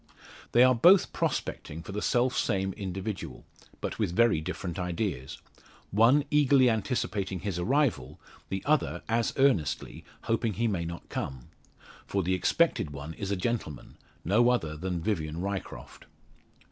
They are both "prospecting" for the selfsame individual, but with very different ideas one eagerly anticipating his arrival, the other as earnestly hoping he may not come. For the expected one is a gentleman no other than Vivian Ryecroft.